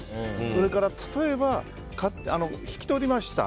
それから例えば、引き取りました。